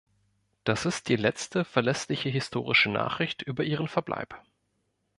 Das ist die letzte verlässliche historische Nachricht über ihren Verbleib.